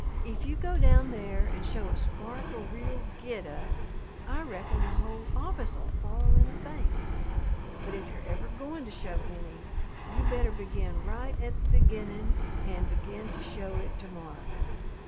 If you go down there and show a spark o' real GIT up, I reckon the whole office'll fall in a faint. But if you're ever goin' to show any, you better begin right at the beginning and begin to show it to morrow."